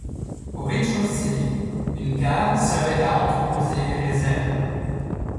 Au rez-de-chaussée, une cave servait à entreposer les réserves.